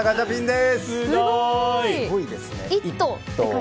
すごーい！